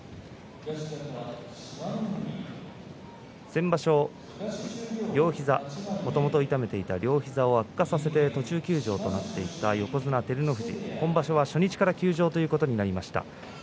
先場所、両膝もともと痛めていた両膝を悪化して途中休場をしていた照ノ富士、今場所は初日から休場ということになりました。